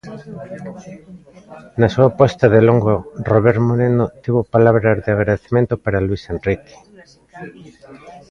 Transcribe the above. Na súa posta de longo, Robert Moreno tivo palabras de agradecemento para Luís Enrique.